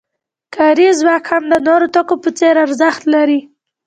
کاري ځواک هم د نورو توکو په څېر ارزښت لري